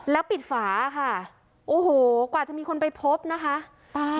แล้วปิดฝาค่ะโอ้โหกว่าจะมีคนไปพบนะคะ